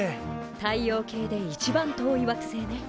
太陽系で一番遠い惑星ね。